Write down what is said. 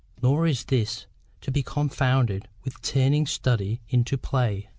Nor is this to be confounded with turning study into play.